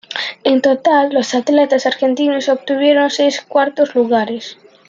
En total, los atletas argentinos obtuvieron seis cuartos lugares.